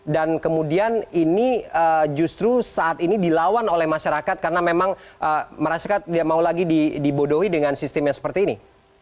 dan kemudian ini justru saat ini dilawan oleh masyarakat karena memang merasakan dia mau lagi dibodohi dengan sistemnya seperti ini